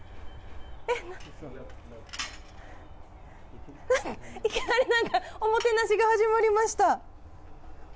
えっ、いきなりなんか、おもてなしが始まりました。